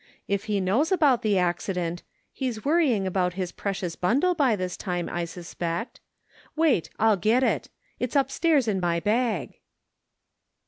If he knows about the accident, he's worrying about his precious bundle by this time, I suspect Wait, I'll get it It's upstairs in my bag."